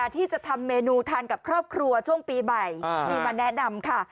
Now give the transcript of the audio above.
ที่จะทำเมนูทานกับครอบครัวช่วงปีใหม่มีมาแนะนำค่ะ